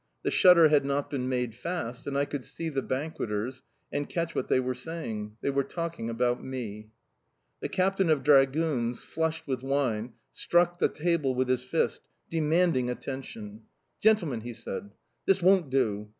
The shutter had not been made fast, and I could see the banqueters and catch what they were saying. They were talking about me. The captain of dragoons, flushed with wine, struck the table with his fist, demanding attention. "Gentlemen!" he said, "this won't do!